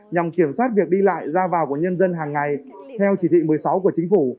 nhằm kiểm soát việc đi lại ra vào của nhân dân hàng ngày theo chỉ thị một mươi sáu của chính phủ